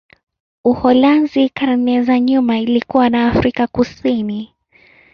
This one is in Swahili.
Uholanzi karne za nyuma ilikuwa na Afrika Kusini.